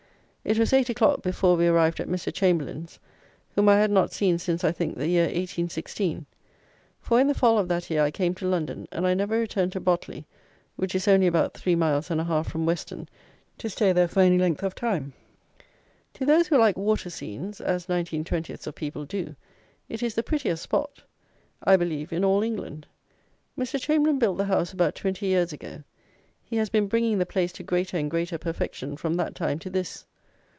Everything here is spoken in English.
It was eight o'clock before we arrived at Mr. Chamberlayne's, whom I had not seen since, I think, the year 1816; for in the fall of that year I came to London, and I never returned to Botley (which is only about three miles and a half from Weston) to stay there for any length of time. To those who like water scenes (as nineteen twentieths of people do) it is the prettiest spot, I believe, in all England. Mr. Chamberlayne built the house about twenty years ago. He has been bringing the place to greater and greater perfection from that time to this.